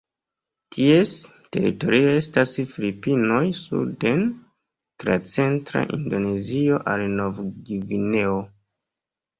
Ties teritorio estas Filipinoj suden tra centra Indonezio al Novgvineo.